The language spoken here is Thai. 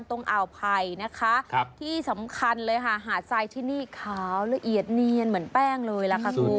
ทะเลหรอ